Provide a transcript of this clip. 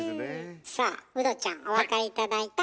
さあウドちゃんお分かり頂いた？